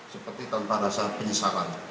seperti tanpa rasa penyesalan